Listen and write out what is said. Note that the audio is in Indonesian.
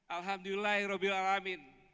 alhamdulillah roh bilalamin